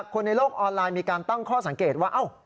คนในโลกออนไลน์มีการตั้งข้อสังเกตว่า